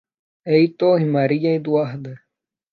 Heitor e Maria Eduarda